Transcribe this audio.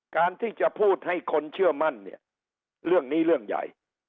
การที่จะพูดให้คนเชื่อมั่นเนี่ยเรื่องนี้เรื่องใหญ่